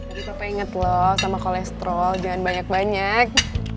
tapi papa inget loh sama kolesterol jangan banyak banyak